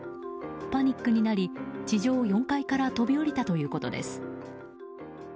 パニックになり、地上４階から飛び降りたということです。